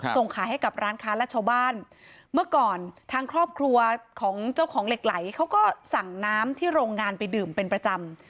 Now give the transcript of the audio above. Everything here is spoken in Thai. ส่งขายให้กับร้านค้าและชาวบ้านเมื่อก่อนทางครอบครัวของเจ้าของเหล็กไหลเขาก็สั่งน้ำที่โรงงานไปดื่มเป็นประจำ